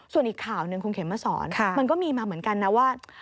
ส่วนอีกข่าวหนึ่งคุณเข็มมาสอนมันก็มีมาเหมือนกันนะว่า